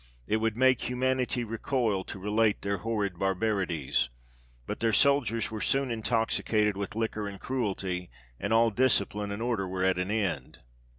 It would make humanity recoil to relate their horrid barbarities ; but their soldiers were soon intoxicated with liquor and cruelty, and all discipline and order were at an end.